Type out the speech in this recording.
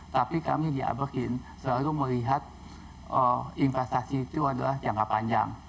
tapi kami di aberkin selalu melihat investasi itu adalah jangka panjang